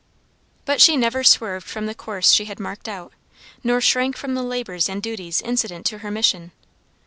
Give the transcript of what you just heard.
But she never swerved from the course she had marked out, nor shrank from the labors and duties incident to her mission.